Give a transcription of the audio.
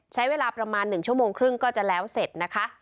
ใช้เวลาประมาณ๑ชั่วโมงครึ่งก็จะแล้วเสร็จนะคะ